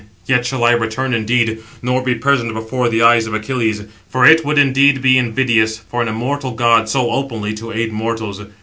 Yet shall I return indeed, nor be present before the eyes of Achilles; for it would indeed be invidious for an immortal god so openly to aid mortals.